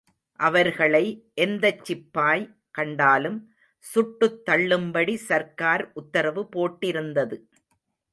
அவர்களை எந்தச் சிப்பாய் கண்டாலும் சுட்டுத்தள்ளும்படி சர்க்கார் உத்தரவு போட்டிருந்தது.